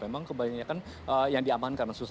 memang kebanyakan yang diamankan